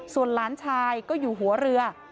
ส่วนหลานชายก็อยู่หัวเรือ